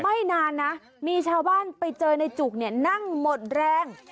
ไม่นานนะมีชาวบ้านไปเจอในจุกเนี่ยนั่งหมดแรง